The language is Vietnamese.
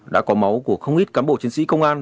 đã có máu của không ít cán bộ chiến sĩ công an